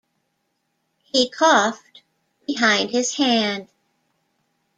He coughed behind his hand.